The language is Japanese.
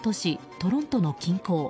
トロントの近郊。